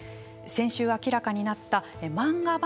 先週明らかになった漫画